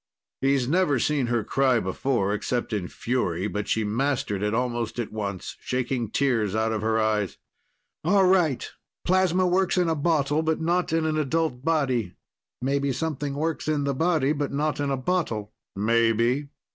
He's never seen her cry before, except in fury. But she mastered it almost at once, shaking tears out of her eyes. "All right. Plasma works in a bottle but not in an adult body. Maybe something works in the body but not in a bottle." "Maybe.